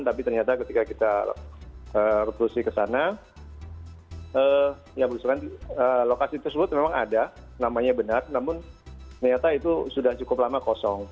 tapi ternyata ketika kita revolusi ke sana ya berusukan lokasi tersebut memang ada namanya benar namun ternyata itu sudah cukup lama kosong